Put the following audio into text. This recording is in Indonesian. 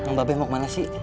mbak be mau kemana sih